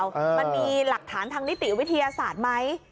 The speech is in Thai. มันมีหลักฐานทางนิติวิทยาศาสตร์ไหม